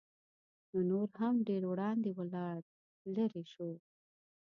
نو نور هم ډېر وړاندې ولاړ لېرې شو.